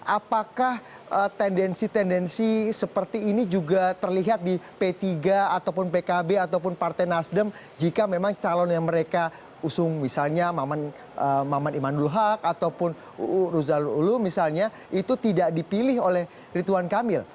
apakah tendensi tendensi seperti ini juga terlihat di p tiga ataupun pkb ataupun partai nasdem jika memang calon yang mereka usung misalnya maman imanul haq ataupun uu ruzanul ulum misalnya itu tidak dipilih oleh ridwan kamil